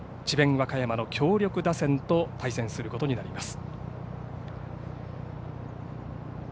和歌山の強力打線と対戦することになります。